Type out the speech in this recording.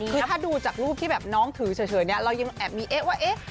คือถ้าดูจากรูปที่แบบน้องถือเฉยเนี่ยเรายังแอบมีเอ๊ะว่าเอ๊ะ